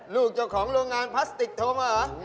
ลูกเจ้าของโรงงานพลาสติกโทรมาเหรอ